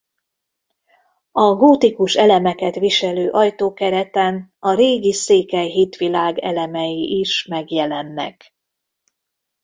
A gótikus elemeket viselő ajtókereten a régi székely hitvilág elemei is megjelennek.